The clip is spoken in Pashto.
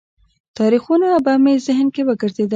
تاریخونه به مې ذهن کې وګرځېدل.